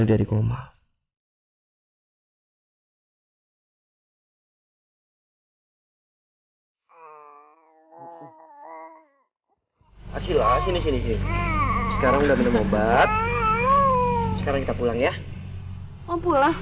aduh maris ya